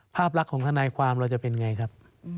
ภาพลักษณ์ของทนายความเราจะเป็นไงครับ